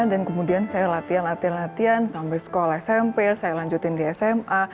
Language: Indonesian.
dan kemudian saya latihan latihan latihan sampai sekolah smp saya lanjutin di sma